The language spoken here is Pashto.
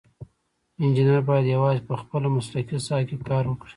انجینر باید یوازې په خپله مسلکي ساحه کې کار وکړي.